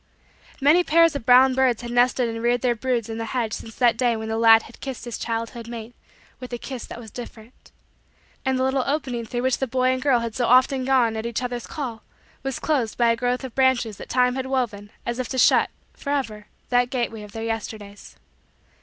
Many pairs of brown birds had nested and reared their broods in the hedge since that day when the lad had kissed his childhood mate with a kiss that was different. And the little opening through which the boy and girl had so often gone at each other's call was closed by a growth of branches that time had woven as if to shut, forever, that gateway of their Yesterdays.